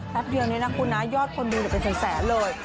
แป๊บเดียวหน่อยนะคุณนะยอดคนดูเดี๋ยวเป็นแสนแสนเลย